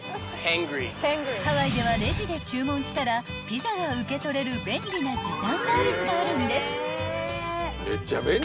［ハワイではレジで注文したらピザが受け取れる便利な時短サービスがあるんです］